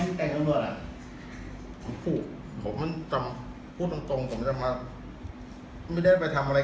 ไม่เป็นจำรวจอ่ะผมมันจำพูดตรงตรงผมจะมาไม่ได้ไปทำอะไร